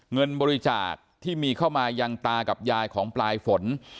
เงินบริจาคที่มีเข้ามายังตากับยายของปลายฝน